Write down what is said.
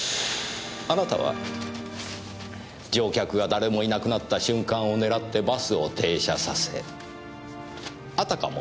あなたは乗客が誰もいなくなった瞬間を狙ってバスを停車させあたかも